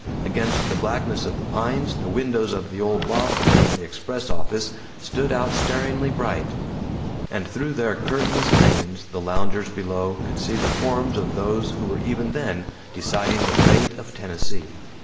Against the blackness of the pines the windows of the old loft above the express office stood out staringly bright; and through their curtainless panes the loungers below could see the forms of those who were even then deciding the fate of Tennessee.